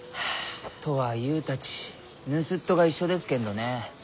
とはゆうたちぬすっとが一緒ですけんどねえ。